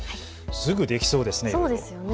すぐできそうですね。